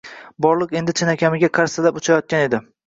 Borliq endi chinakamiga charsillab uchayotgan edi.